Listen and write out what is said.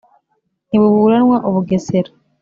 ntibuburanwa u bugesera